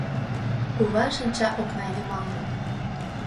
Кува шинча окна йымалне